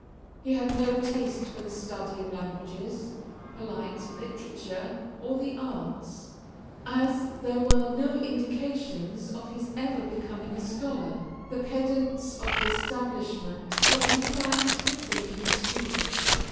He had no taste for the study of languages, polite literature, or the arts. As there were no indications of his ever becoming a scholar, the pedants of the establishment were inclined to think him stupid.